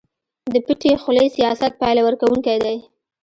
د پټې خولې سياست پايله ورکوونکی دی.